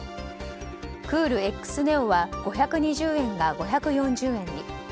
クール・エックス・ネオは５２０円が５４０円に。